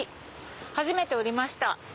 初めて降りました。